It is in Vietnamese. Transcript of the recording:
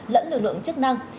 lẫn lực lượng chức năng